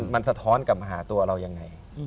มันสะท้อนกลับมาหาตัวเรายังไง